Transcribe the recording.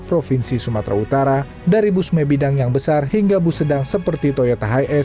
provinsi sumatera utara dari bus mebidang yang besar hingga bus sedang seperti toyota highs